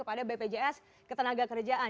ada bpjs ketenaga kerjaan